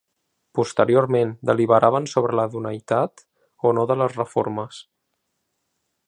Posteriorment, deliberaven sobre la idoneïtat o no de les reformes.